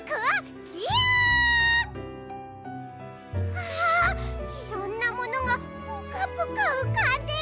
ああいろんなものがプカプカうかんでる。